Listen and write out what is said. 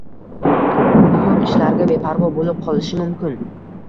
muhim ishlarga beparvo bo‘lib qolishi mumkin.